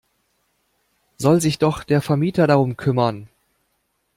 Soll sich doch der Vermieter darum kümmern!